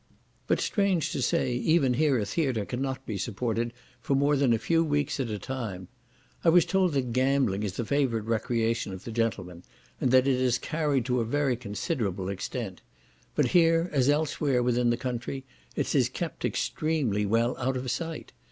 But, strange to say, even here a theatre cannot be supported for more than a few weeks at a time. I was told that gambling is the favourite recreation of the gentlemen, and that it is carried to a very considerable extent; but here, as elsewhere within the country, it is kept extremely well out of sight.